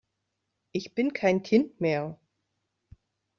Ich bin kein Kind mehr!